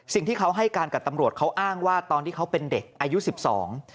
สิ่งที่เขาให้การกับตำรวจเขาอ้างว่าตอนที่เขาเป็นเด็กอายุสิบสอง